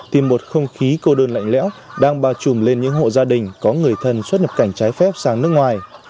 thì một không khí cô đơn lạnh lẽo đang bào chùm lên những hộ gia đình có người thân xuất nhập cảnh trái phép sang nước ngoài